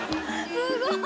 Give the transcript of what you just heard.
すごーい